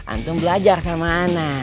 antum belajar sama ana